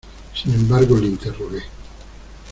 sin embargo le interrogué: